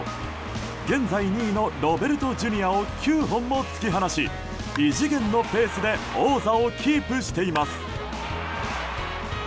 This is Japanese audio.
現在２位のロベルトＪｒ．を９本も突き放し異次元のペースで王座をキープしています。